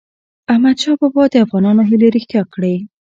احمدشاه بابا د افغانانو هیلې رښتیا کړی.